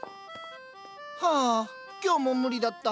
ハァ今日も無理だった。